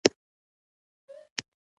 خدای دې وکړي چې ډېرې ګټورې هڅې وکړي.